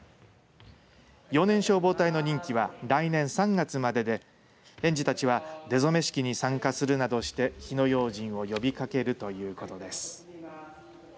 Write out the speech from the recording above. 幼年消防隊の任期は来年３月までで園児たちは出初め式に参加するなどして火の用心を呼びかけるということです。